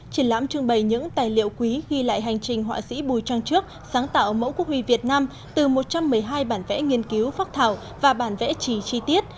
triển lãm trưng bày những tài liệu quý ghi lại hành trình họa sĩ bùi trang trước sáng tạo mẫu quốc hủy việt nam từ một trăm một mươi hai bản vẽ nghiên cứu phác thảo và bản vẽ trì chi tiết